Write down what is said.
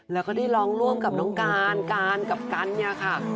แล้วก็ได้ร้องร่วมกับน้องการการกับกันเนี่ยค่ะ